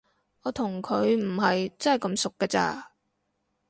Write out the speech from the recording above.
我同佢唔係真係咁熟㗎咋